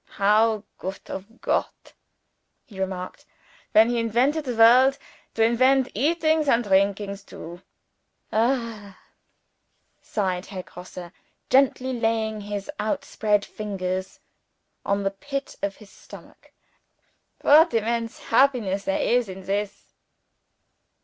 "How goot of Gott," he remarked, "when he invented the worlds to invent eatings and drinkings too! Ah!" sighed Herr Grosse, gently laying his outspread fingers on the pit of his stomach, "what immense happiness there is in This!"